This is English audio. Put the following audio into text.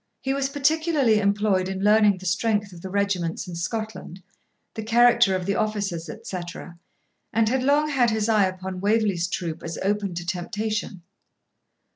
He was particularly employed in learning the strength of the regiments in Scotland, the character of the officers, etc., and had long had his eye upon Waverley's troop as open to temptation.